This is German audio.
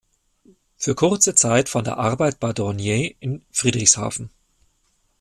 Für kurze Zeit fand er Arbeit bei Dornier in Friedrichshafen.